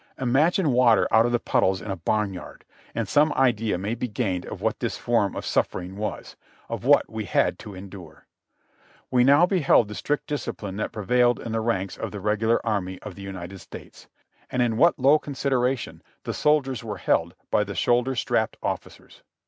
Imagine water out of the puddles in a barnyard, and some idea may be gained of what this form of suffering was — of what we had to endure. We now beheld the strict discipline that prevailed in the ranks of the Regular Army of the United States, and in what low con sideration the soldiers were held by the shoulder strapped ofiiicers.